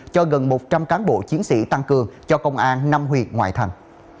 cho gần một trăm linh cán bộ chiến sĩ tăng cường cho công an năm huyện ngoại thành